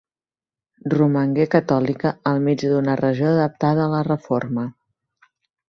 Romangué catòlica al mig d'una regió adaptada a la Reforma.